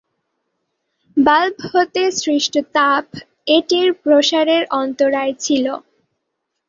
Bulb হতে সৃষ্ট তাপ এটির প্রসারের অন্তরায় ছিল।